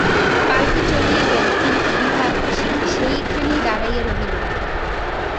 পাল্কী চলিয়া গেল, কিন্তু বিভা সেইখানে দাঁড়াইয়া রহিল।